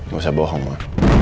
gak usah bohong ma